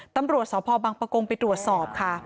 ตำรวจสพบังปะกงไปตรวจสอบค่ะ